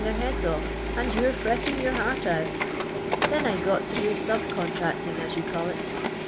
their hwds off, and you're fretting your heart out. Then I uot to do sub con tracting, as you call it.